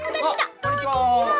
こんにちは。